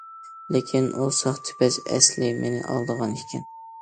لېكىن ئۇ ساختىپەز ئەسلىي مېنى ئالدىغانىكەن.